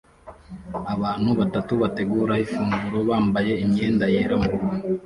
Abantu batatu bategura ifunguro bambaye imyenda yera murugo